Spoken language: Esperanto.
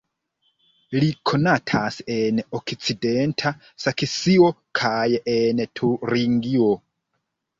Li konatas en okcidenta Saksio kaj en Turingio.